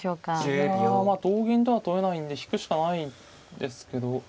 いや同銀とは取れないんで引くしかないんですけど。